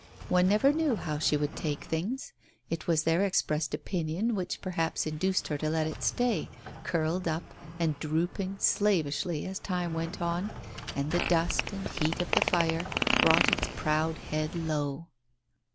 One never knew how she would take things. It was their expressed opinion which perhaps induced her to let it stay, curled up and drooping slavishly as time went on, and the dust and heat of the fire brought its proud head low.